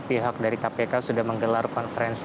pihak dari kpk sudah menggelar konferensi